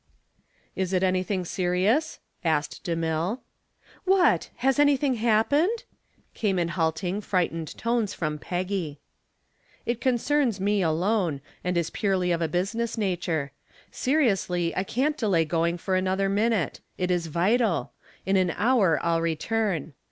"Is it anything serious?" asked DeMille. "What! has anything happened?" came in halting, frightened tones from Peggy. "It concerns me alone, and it is purely of a business nature. Seriously, I can't delay going for another minute. It is vital. In an hour I'll return.